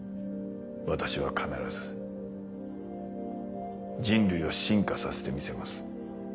私は必ず人類を進化させてみせます。